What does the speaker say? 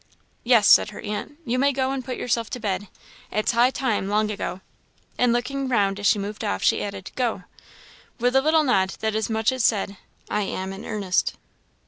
"Yes," said her aunt, "you may go and put yourself to bed; it's high time, long ago." And looking round as she moved off, she added, "Go!" with a little nod that as much as said, "I am in earnest."